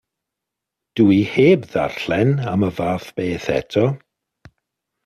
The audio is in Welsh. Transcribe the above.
Dw i heb ddarllen am y fath beth eto.